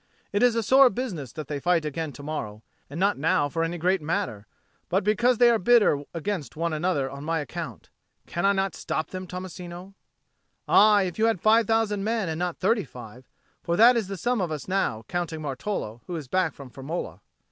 It is a sore business that they fight again to morrow, and not now for any great matter, but because they are bitter against one another on my account. Cannot I stop them, Tommasino?" "Aye, if you have five thousand men and not thirty five for that is the sum of us now, counting Martolo, who is back from Firmola."